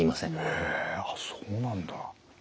へえそうなんだ。